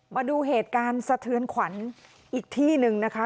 มาดูเหตุการณ์สะเทือนขวัญอีกที่หนึ่งนะคะ